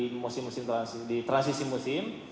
kemudian hujan es yang kerap terjadi di transisi musim